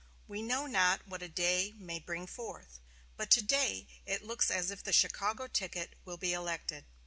We know not what a day may bring forth, but to day it looks as if the Chicago ticket will be elected."